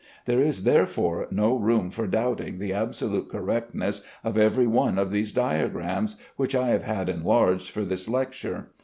There is therefore no room for doubting the absolute correctness of every one of these diagrams, which I have had enlarged for this lecture.